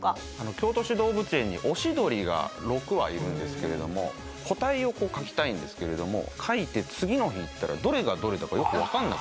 京都市動物園にオシドリが６羽いるんですけれども個体を描きたいんですけれども描いて次の日行ったら。